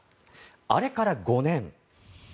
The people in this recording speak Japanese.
あれから５年。